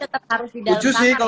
tapi tetap harus di dalam kamar